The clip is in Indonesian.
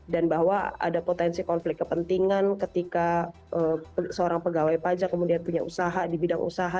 dan bahwa ada potensi konflik kepentingan ketika seorang pegawai pajak kemudian punya usaha di bidang usaha